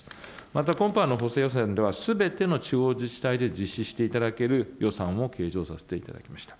また今般の補正予算では、すべての地方自治体で実施していただける予算も計上させていただきました。